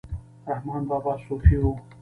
رحمان بابا صوفي و